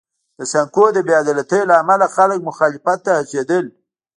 د سانکو د بې عدالتۍ له امله خلک مخالفت ته هڅېدل.